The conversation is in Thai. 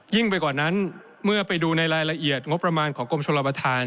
ไปกว่านั้นเมื่อไปดูในรายละเอียดงบประมาณของกรมชนประธาน